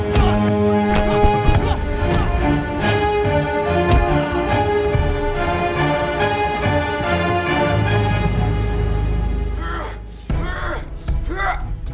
kalian tidak ada apa apa